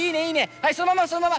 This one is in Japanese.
はいそのままそのまま。